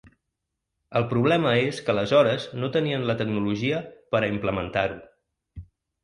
El problema és que aleshores no tenien la tecnologia per a implementar-ho.